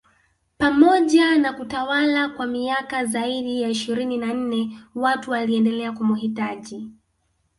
Pamoja na kutawala kwa miaka zaidi ya ishirini na nne watu waliendelea kumuhitaji